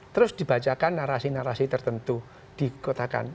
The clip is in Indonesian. terus dibacakan narasi narasi tertentu di kotakan